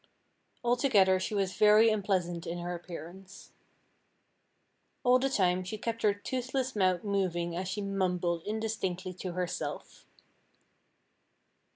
Altogether she was very unpleasant in her appearance. All the time she kept her toothless mouth moving as she mumbled indistinctly to herself.